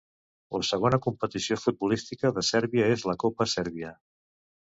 La segona competició futbolística de Sèrbia és la copa sèrbia.